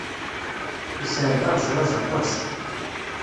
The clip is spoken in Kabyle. Yesɛedda ṛejṛaj aṭas.